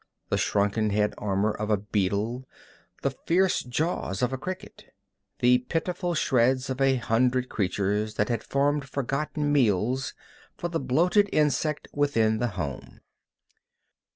The shrunken head armor of a beetle, the fierce jaws of a cricket the pitiful shreds of a hundred creatures that had formed forgotten meals for the bloated insect within the home.